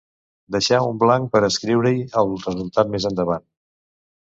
Deixar un blanc per a escriure-hi el resultat més endavant.